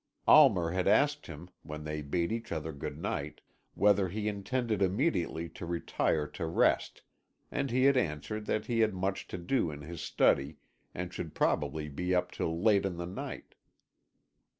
Almer had asked him, when they bade each other good night, whether he intended immediately to retire to rest, and he had answered that he had much to do in his study, and should probably be up till late in the night.